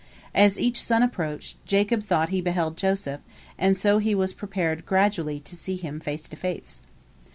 As each son approached, Jacob thought he beheld Joseph, and so he was prepared gradually to see him face to face.